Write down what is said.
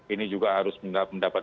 ini juga harus mendapat